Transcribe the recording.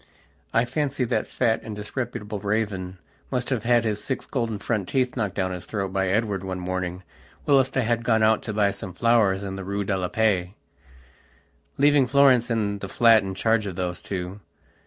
I fancy that fat and disreputable raven must have had his six golden front teeth knocked down his throat by Edward one morning whilst I had gone out to buy some flowers in the Rue de la Paix, leaving Florence and the flat in charge of those two.